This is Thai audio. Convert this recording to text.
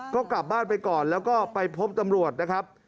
ก็กลับบ้านไปก่อนแล้วก็ไปพบตำรวจนะครับ